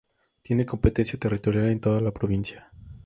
Tiene competencia territorial en toda la provincia.